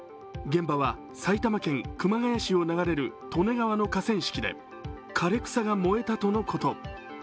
現場は埼玉県熊谷市を流れる利根川の河川敷で枯れ草が燃えたとのこと。